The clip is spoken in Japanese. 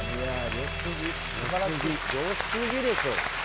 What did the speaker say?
よすぎでしょ。